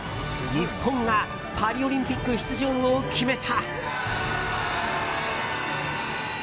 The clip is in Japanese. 日本がパリオリンピック出場を決めた。